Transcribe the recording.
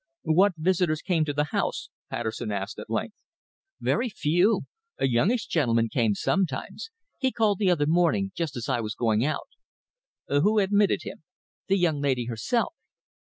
"What visitors came to the house?" Patterson asked at length. "Very few. A youngish gentleman came sometimes. He called the other morning just as I was going out." "Who admitted him?" "The young lady herself."